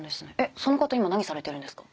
その方今何されてるんですか？